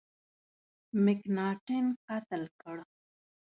مکناټن قتل کړ.